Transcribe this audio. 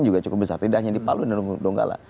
juga cukup besar tidak hanya di palu dan donggala